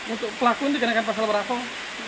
untuk pelaku untuk kenakan pasal berapa